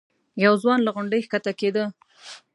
یو ځوان له غونډۍ ښکته کېده.